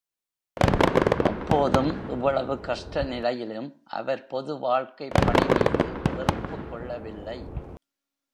அப்போதும், இவ்வளவு கஷ்ட நிலையிலும், அவர் பொது வாழ்க்கைப் பணி மீது வெறுப்புக் கொள்ளவில்லை.